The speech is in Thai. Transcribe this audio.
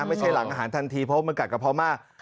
ไม่ใช่หลังอาหารทันทีเพราะมันกัดกระเพาะมาก